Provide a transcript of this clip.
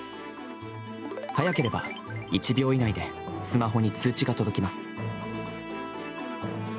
早ければ１秒以内で、スマホに通知が届きます。